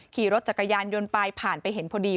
ขี่รถจักรยานยนต์ไปผ่านไปเห็นพอดี